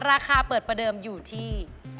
ราคาเปิดประเดิมอยู่ที่